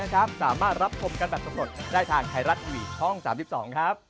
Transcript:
ขอบคุณครับ